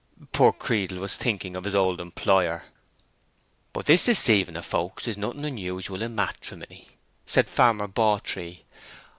Poor Creedle was thinking of his old employer. "But this deceiving of folks is nothing unusual in matrimony," said Farmer Bawtree.